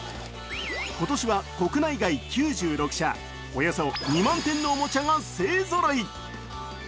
今年は国内外９６社、およそ２万点のおもちゃが勢ぞろい。